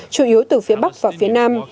chủ yếu từ phía bắc và phía nam